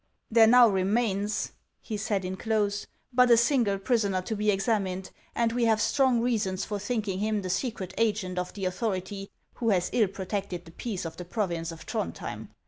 "There now re mains," he said in close, "but a single prisoner to be examined, and we have strong reasons for thinking him the secret agent of the authority who has ill protected the peace of the province of Throndhjem.